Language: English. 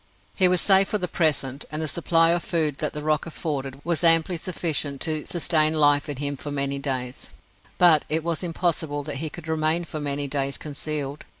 He was safe for the present, and the supply of food that the rock afforded was amply sufficient to sustain life in him for many days, but it was impossible that he could remain for many days concealed.